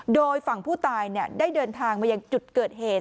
โดยฝั่งผู้ตายได้เดินทางมายังจุดเกิดเหตุ